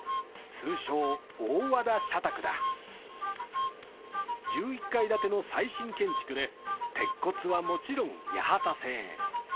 通称大和田社宅だ１１階建ての最新建築で鉄骨はもちろん八幡製